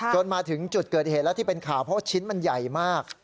จนถึงจุดเกิดเหตุแล้วที่เป็นข่าวเพราะว่าชิ้นมันใหญ่มาก